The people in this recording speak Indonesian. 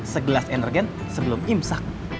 segelas energen sebelum imsak